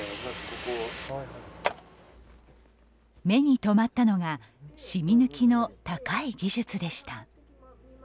目に留まったのがシミ抜きの高い技術でした。